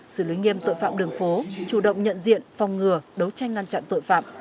xử lý nghiêm tội phạm đường phố chủ động nhận diện phòng ngừa đấu tranh ngăn chặn tội phạm